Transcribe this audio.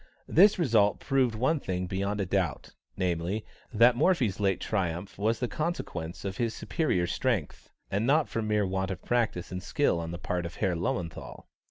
This result proved one thing beyond a doubt, namely, that Morphy's late triumph was the consequence of his superior strength, and not from mere want of practice and skill on the part of Herr Löwenthal.